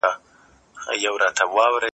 په خپلو پریکړو کي به مشوره کوئ.